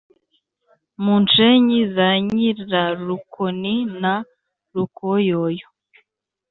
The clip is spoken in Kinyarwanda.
mu nshenyi za nyirarukoni na rukoyoyo,